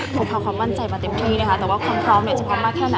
พร้อมจะพร้อมมากแค่ไหนเนี่ยต้องดูบริเวณ